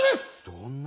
どんな？